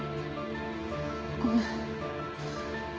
ごめん。